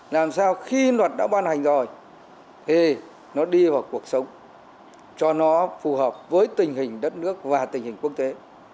làm sao khi luật đã ban hành rồi thì nó đi vào cuộc sống cho nó phù hợp với tình hình đất nước và tình hình quốc tế